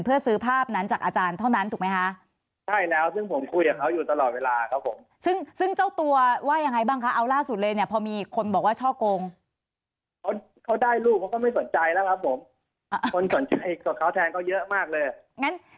เพื่อซื้อภาพนั้นจากอาจารย์เท่านั้นถูกไหมฮะ